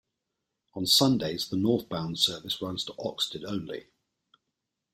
On Sundays the northbound service runs to Oxted only.